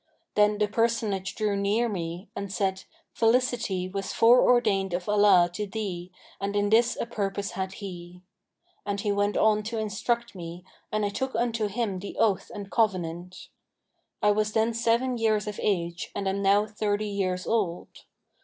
Then the Personage drew near me and said 'Felicity[FN#524] was fore ordained of Allah to thee and in this a purpose had He.' And he went on to instruct me and I took unto him the oath and covenant.[FN#525] I was then seven years of age and am now thirty years old.